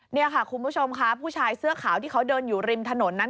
นี่ค่ะคุณผู้ชมค่ะผู้ชายเสื้อขาวที่เขาเดินอยู่ริมถนนนั้น